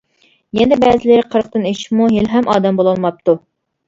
يەنە بەزىلىرى قىرىقتىن ئېشىپمۇ ھېلىھەم ئادەم بولالماپتۇ.